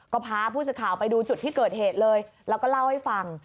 ก็พาผู้สื่อข่าวไปดูจุดที่เกิดเหตุเลยแล้วก็เล่าให้ฟัง